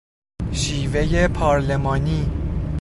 شیوهی پارلمانی